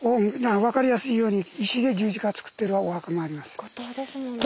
分かりやすいように石で十字架作ってるお墓もあります。